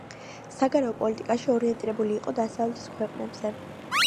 საგარეო პოლიტიკაში ორიენტირებული იყო დასავლეთის ქვეყნებზე.